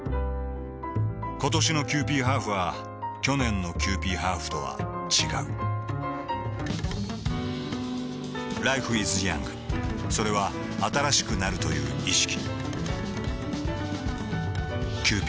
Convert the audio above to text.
ことしのキユーピーハーフは去年のキユーピーハーフとは違うＬｉｆｅｉｓｙｏｕｎｇ．それは新しくなるという意識